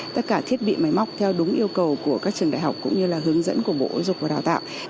tất cả thiết bị máy móc theo đúng yêu cầu của các trường đại học cũng như là hướng dẫn của bộ giáo dục và đào tạo